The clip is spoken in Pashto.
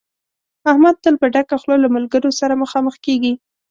احمد تل په ډکه خوله له ملګرو سره مخامخ کېږي.